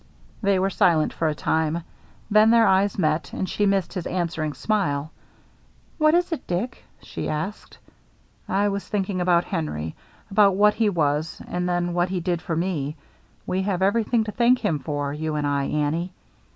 They were silent for a time. Then their eyes met, and she missed his answering smile. " What is it, Dick ?" she asked. "I was thinking about Henry — about what he was, and then what he did for me. We have everything to thank him for, you and I, Annie."